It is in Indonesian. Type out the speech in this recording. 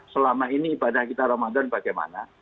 selama ini ibadah kita ramadan bagaimana